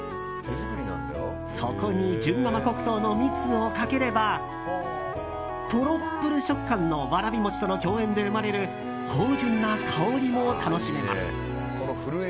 そこに純生黒糖の蜜をかければトロップルッ食感のわらび餅との共演で生まれる芳醇な香りも楽しめます。